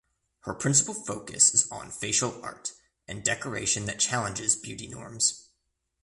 Her principal focus is on facial art and decoration that challenges beauty norms.